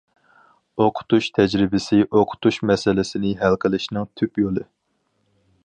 ئوقۇتۇش تەجرىبىسى ئوقۇتۇش مەسىلىسىنى ھەل قىلىشنىڭ تۈپ يولى.